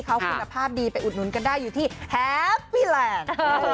แต่นี่แนวโน้มดีครับ